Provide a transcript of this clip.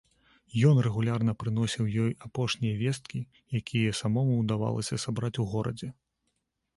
Ён рэгулярна прыносіў ёй апошнія весткі, якія самому ўдавалася сабраць у горадзе.